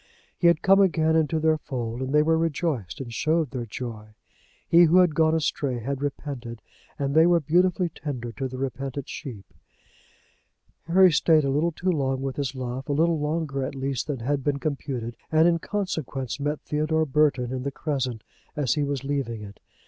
He had come again into their fold, and they were rejoiced and showed their joy. He who had gone astray had repented, and they were beautifully tender to the repentant sheep. CHAPTER XLII. RESTITUTION. Harry stayed a little too long with his love, a little longer at least than had been computed, and in consequence met Theodore Burton in the Crescent as he was leaving it.